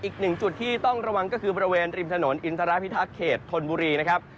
อีกหนึ่งจุดที่ต้องระวังก็คือบริเวณริมถนนอินทรพิทักษ์เขตธนบุรีนะครับ